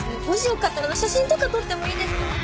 もしよかったら写真とか撮ってもいいですか？